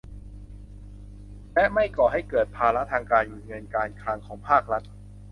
และไม่ก่อให้เกิดภาระทางการเงินการคลังของภาครัฐ